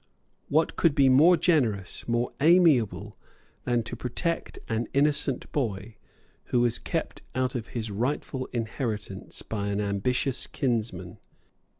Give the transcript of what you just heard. What could be more generous, more amiable, than to protect an innocent boy, who was kept out of his rightful inheritance by an ambitious kinsman?